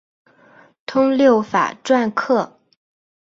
通六法篆刻。